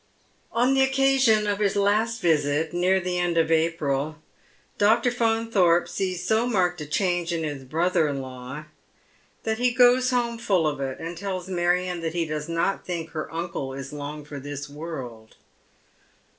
On the occasion of his last visit, near the end of April, Dr. Faunthorpe sees so marked a change in his brother in law that he goes home full of it, and tells Marion tliat he does not tliink her uncle is long for this world.